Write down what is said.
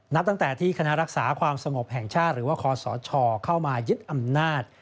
นับตั้งแต่ที่คณะรักษาความสงบแห่งชาติหรือว่าคอสชเข้ามายึดอำนาจ